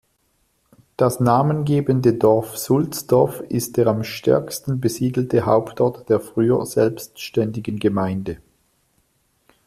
Das namengebende Dorf Sulzdorf ist der am stärksten besiedelte Hauptort der früher selbstständigen Gemeinde.